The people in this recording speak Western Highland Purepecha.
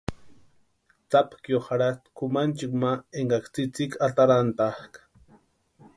Tsapkio jarhasti kʼumanchikwa ma énkaksï tsïtsïki atarantakʼa.